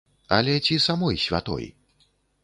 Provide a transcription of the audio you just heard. Але ці самой святой?